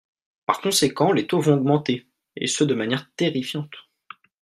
Par conséquent, les taux vont augmenter, et ce de manière terrifiante.